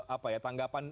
apa ya tanggapan